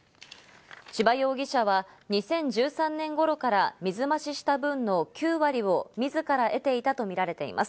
千葉容疑者は２０１３年ごろから水増しした分の９割を自ら得ていたとみられています。